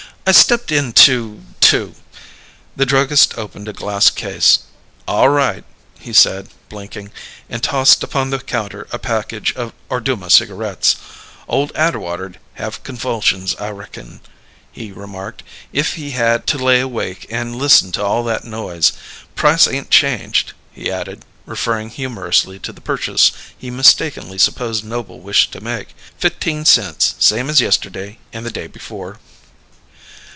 "I stepped in to to " The druggist opened a glass case. "Aw right," he said, blinking, and tossed upon the counter a package of Orduma cigarettes. "Old Atwater'd have convulsions, I reckon," he remarked, "if he had to lay awake and listen to all that noise. Price ain't changed," he added, referring humorously to the purchase he mistakenly supposed Noble wished to make. "F'teen cents, same as yesterday and the day before."